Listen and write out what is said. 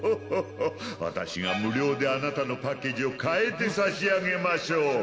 私が無料であなたのパッケージを変えて差し上げましょう。